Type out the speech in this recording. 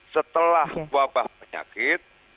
setelah wabah penyakit